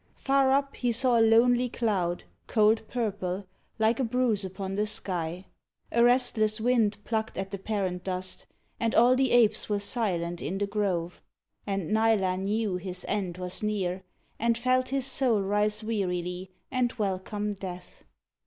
Far up, he saw a lonely cloud, Cold purple, like a bruise upon the sky. A restless wind plucked at the parent dust, And all the apes were silent in the grove. And Nila knew his end was near, and felt His soul rise wearily and welcome Death.